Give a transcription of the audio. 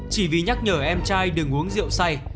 chỉ vì nhắc nhở em trai đừng uống rượu say